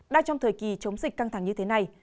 đang trong thời kỳ chống dịch căng thẳng như thế này